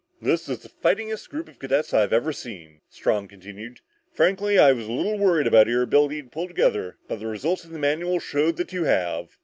"This is the fightingest group of cadets I've ever seen," Strong continued. "Frankly, I was a little worried about your ability to pull together but the results of the manuals showed that you have.